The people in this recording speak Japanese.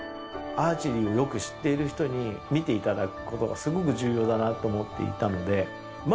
アーチェリーをよく知っている人に見ていただくことがすごく重要だなと思っていたのでまあ